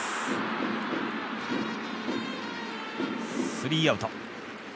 スリーアウト。